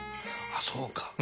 あっそうか。